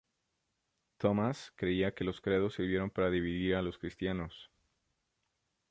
Thomas creía que los credos sirvieron para dividir a los cristianos.